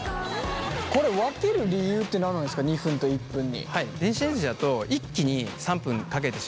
これ分ける理由って何なんですか２分と１分に。